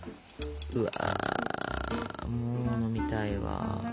うわもう飲みたいわ。